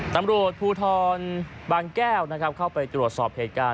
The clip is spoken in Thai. ตำรวจภูทรบางแก้วนะครับเข้าไปตรวจสอบเหตุการณ์